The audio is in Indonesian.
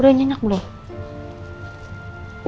udah nyenyak belum